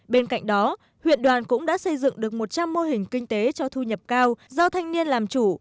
bên cạnh đó huyện đoàn cũng đã xây dựng được một trăm linh mô hình kinh tế cho thu nhập cao do thanh niên làm chủ